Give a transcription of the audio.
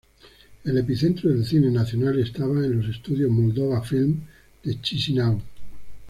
El epicentro del cine nacional estaba en los estudios Moldova-Film de Chișinău.